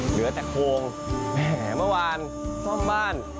เหลือแต่โครงแหมเมื่อวานซ่อมบ้าน